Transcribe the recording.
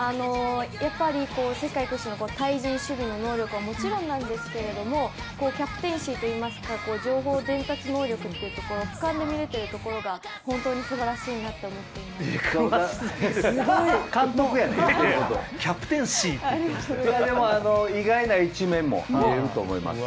やっぱり世界屈指の対人守備の能力はもちろんなんですけどもキャプテンシーといいますか情報伝達能力というところふかんで見れてるところが本当に素晴らしいと思っています。